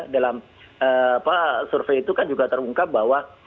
dalam survei itu kan juga terungkap bahwa